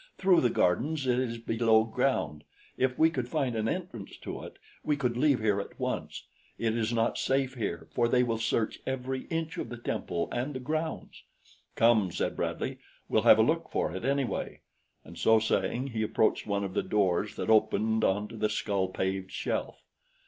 Through the gardens it is below ground. If we could find an entrance to it, we could leave here at once. It is not safe here, for they will search every inch of the temple and the grounds." "Come," said Bradley. "We'll have a look for it, anyway." And so saying he approached one of the doors that opened onto the skull paved shelf.